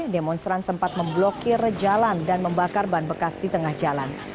demonstran sempat memblokir jalan dan membakar ban bekas di tengah jalan